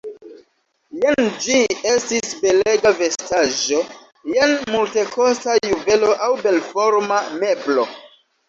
Jen ĝi estis belega vestaĵo, jen multekosta juvelo aŭ belforma meblo.